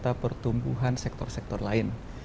dan juga pertumbuhan sektor sektor lain